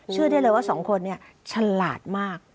เชื่อได้เลยว่าสองคนเนี่ยฉลาดมาก